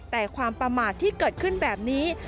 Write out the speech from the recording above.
แต่ความประมาทที่เกิดขึ้นแบบนี้